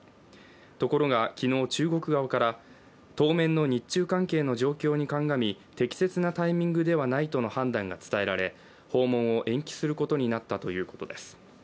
ところが昨日、中国側から当面の日中関係の状況にかんがみ適切なタイミングではないとの判断が伝えられ訪問を延期することになったということです。